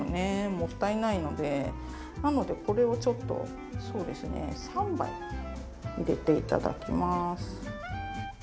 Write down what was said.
もったいないのでなのでこれをちょっとそうですね３杯入れて頂きます。